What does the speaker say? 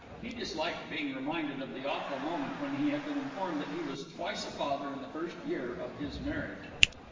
He disliked being reminded of the awful moment when he had been informed that he was twice a father in the first year of his marriage.